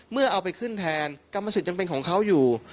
เอาไปขึ้นแทนกรรมสิทธิ์ยังเป็นของเขาอยู่